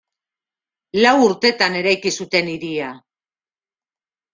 Lau urtetan eraiki zuten hiria.